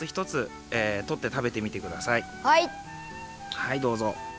はいどうぞ。